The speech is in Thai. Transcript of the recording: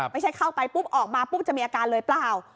เข้าไปปุ๊บออกมาปุ๊บจะมีอาการเลยเปล่า